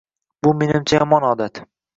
Bu meningcha yomon odat!